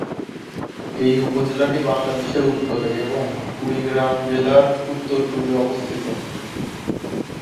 এই উপজেলাটি বাংলাদেশের উত্তরে এবং কুড়িগ্রাম জেলার উত্তর পূর্বে অবস্থিত।